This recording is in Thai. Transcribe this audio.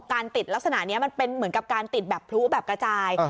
ติดลักษณะนี้มันเป็นเหมือนกับการติดแบบพลุแบบกระจาย